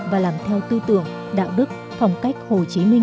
và làm theo tư tưởng đạo đức phong cách hồ chí minh